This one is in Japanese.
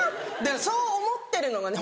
そう思ってるのがね